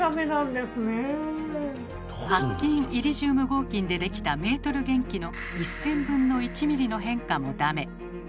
白金イリジウム合金で出来たメートル原器の１，０００分の１ｍｍの変化もダメ。